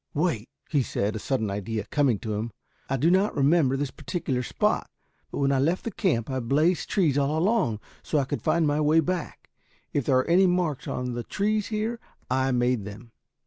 "Wait," he said, a sudden idea coming to him. "I do not remember this particular spot, but when I left the camp I blazed trees all along so I could find my way back. If there are any marks on the trees here, I made them."